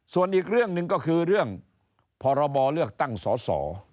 ส่วนอีกเรื่องหนึ่งก็คือเรื่องพรบเลือกตั้งสอสอ